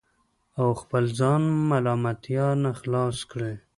او خپل ځان د ملامتیا نه خلاص کړي